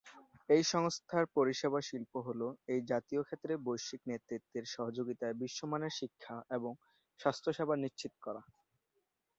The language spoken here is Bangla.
এই সংস্থার পরিষেবা শিল্প হলো এই জাতীয় ক্ষেত্রে বৈশ্বিক নেতৃত্বের সহযোগিতায় বিশ্বমানের শিক্ষা এবং স্বাস্থ্যসেবা নিশ্চিত করা।